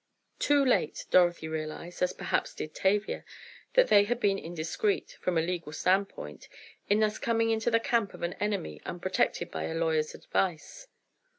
Too late, Dorothy realized, as perhaps did Tavia, that they had been indiscreet, from a legal standpoint, in thus coming into the camp of an enemy, unprotected by a lawyer's advice.